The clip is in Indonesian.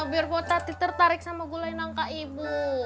biar tertarik sama gulai nangka ibu